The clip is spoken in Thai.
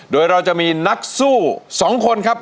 โดยเราจะมีนักสู้๒คนครับ